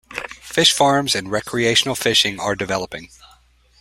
Fish farms and recreational fishing are developing.